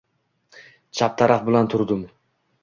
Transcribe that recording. Chap taraf bilan turdim